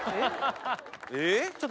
えっ？